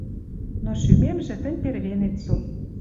Но шӱмемжӹ тӹнь тервенет со.